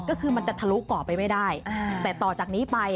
ก็คือมันจะทะลุก่อไปไม่ได้แต่ต่อจากนี้ไป